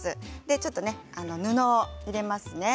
ちょっと布を入れますね。